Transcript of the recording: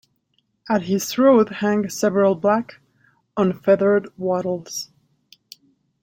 At his throat hang several black, unfeathered wattles.